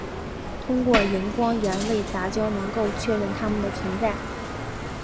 通过荧光原位杂交能够确认它们的存在。